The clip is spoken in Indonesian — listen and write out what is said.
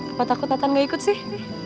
apa takut akan gak ikut sih